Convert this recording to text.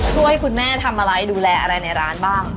ช่วยคุณแม่ทำอะไรดูแลอะไรในร้านบ้าง